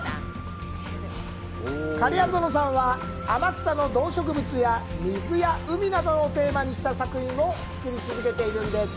仮屋園さんは、天草の動植物や水や海などをテーマにした作品を作り続けています。